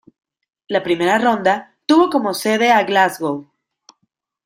La primera ronda tuvo como sede a Glasgow.